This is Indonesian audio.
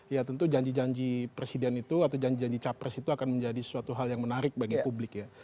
ya tentu janji janji presiden itu atau janji janji capres itu akan menjadi suatu hal yang menarik bagi publik ya